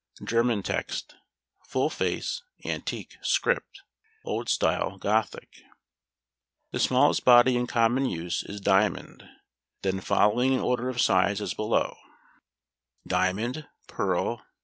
German Text. Full face, Antique, Script. Old Style, GOTHIC.] The smallest body in common use is diamond; then follow, in order of size as below [Illustration: Diamond.